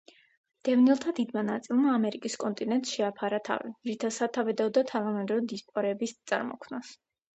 დევნილთა დიდმა ნაწილმა ამერიკის კონტინენტს შეაფარა თავი, რითაც სათავე დაუდო თანამედროვე დიასპორების წარმოქმნას.